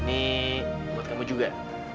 ini buat kamu juga